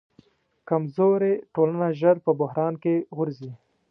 کمزورې ټولنه ژر په بحران کې غورځي.